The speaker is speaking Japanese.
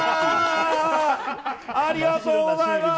ありがとうございます！